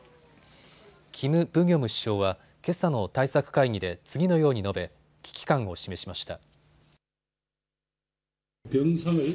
キム・ブギョム首相はけさの対策会議で次のように述べ、危機感を示しました。